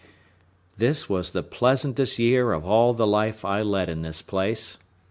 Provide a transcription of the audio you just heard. This was the pleasantest year of all the life I led in this place.